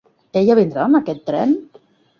Ella vindrà en aquest tren?